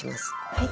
はい。